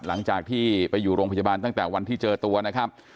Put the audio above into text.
หลังจากที่ไปอยู่โรงพยาบาลตั้งแต่วันที่เจอตัวนะครับ